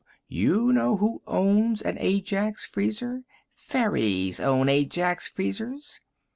You know who owns an Ajax Freezer? Fairies own Ajax Freezers!